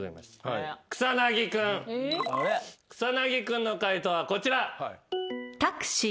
草薙君の解答はこちら。